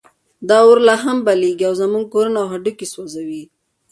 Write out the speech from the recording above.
دا اور لا هم بلېږي او زموږ کورونه او هډوکي سوځوي.